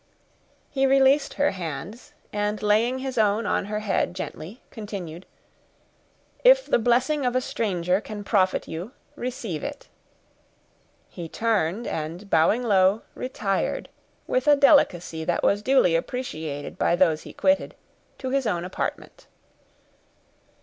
He released her hands, and laying his own on her head gently, continued, "If the blessing of a stranger can profit you, receive it." He turned, and, bowing low, retired, with a delicacy that was duly appreciated by those he quitted, to his own apartment.